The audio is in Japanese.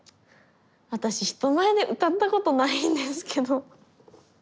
私人前で歌ったことないんですけど。